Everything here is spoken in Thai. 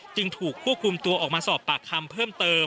จึงถูกควบคุมตัวออกมาสอบปากคำเพิ่มเติม